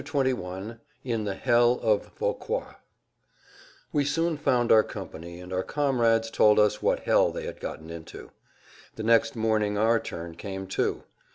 [Pg 172] XXI IN THE HELL OF VAUQUOIS We soon found our company, and our comrades told us what hell they had gotten into. The next morning our turn came, too.